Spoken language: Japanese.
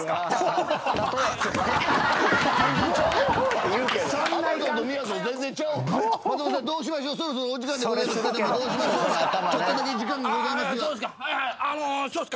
ちょっと時間がございます。